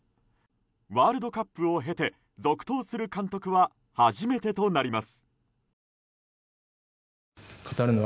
ワールドカップを経て続投する監督は初めてとなります。